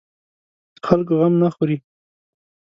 د خلکو غم نه خوري.